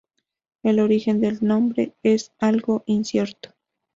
El origen del nombre es algo incierto.